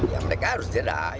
yang mereka harus jadwal